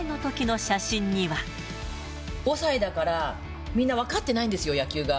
５歳だから、みんな分かってないんですよ、野球が。